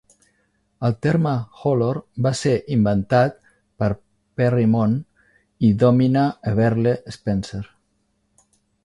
El terme "holor" va ser inventat per Parry Moon i Domina Eberle Spencer.